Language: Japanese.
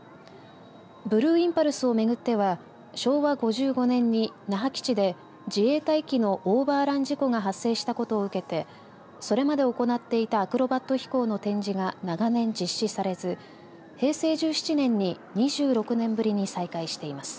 ブルーインパルスをめぐっては昭和５５年に那覇基地で自衛隊機のオーバーラン事故が発生したことを受けてそれまで行っていたアクロバット飛行の展示が長年、実施されず平成１７年に、２６年ぶりに再開しています。